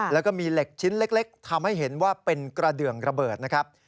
แล้วก็มีเหล็กชิ้นเล็กทำให้เห็นว่าเป็นกระเดืองระเบิดนะครับ